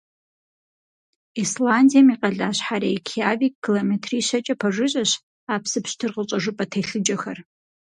Исландием и къалащхьэ Рейкьявик километрищэкӀэ пэжыжьэщ а псы пщтыр къыщӀэжыпӀэ телъыджэхэр.